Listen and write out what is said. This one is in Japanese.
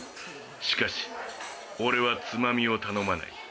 しかし俺はつまみを頼まない。